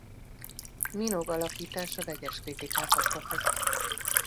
Minogue alakítása vegyes kritikákat kapott.